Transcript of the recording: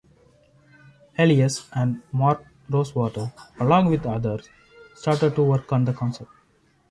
Elias and Mark Rosewater along with others started to work on the concept.